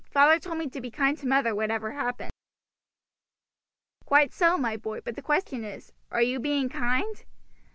"Father told me to be kind to mother, whatever happened." "Quite so, my boy; but the question is, Are you being kind?"